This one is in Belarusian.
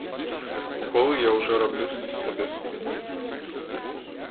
Уколы я ўжо раблю сабе сам.